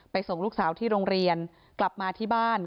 ส่งลูกสาวที่โรงเรียนกลับมาที่บ้าน